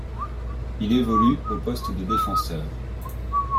Il évolue au poste de défenseur.